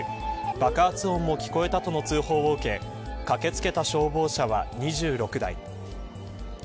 爆発音も聞こえたとの通報を受け駆け付けた消防車は２６台。